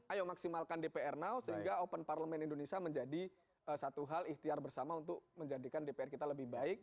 ayo maksimalkan dpr no sehingga open parlemen indonesia menjadi satu hal ikhtiar bersama untuk menjadikan dpr kita lebih baik